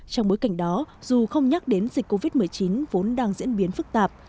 trong bối cảnh đó dù không nhắc đến dịch covid một mươi chín vốn đang diễn biến phức tạp